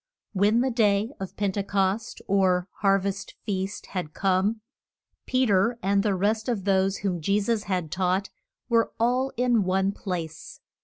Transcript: When the day of Pen te cost, or har vest feast, had come, Pe ter, and the rest of those whom Je sus had taught, were all in one place.